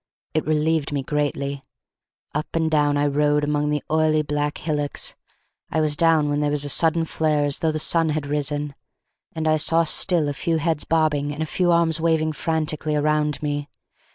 It relieved me greatly. Up and down I rode among the oily black hillocks; I was down when there was a sudden flare as though the sun had risen, and I saw still a few heads bobbing and a few arms waving frantically around me.